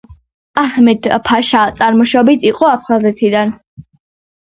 აჰმედ-ფაშა წარმოშობით იყო აფხაზეთიდან.